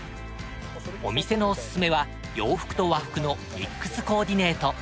お店のオススメは洋服と和服のミックスコーディネート。